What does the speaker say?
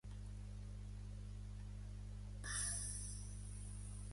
La civilització a la Terra va ser destruïda per un canvi climàtic anormal i permanent.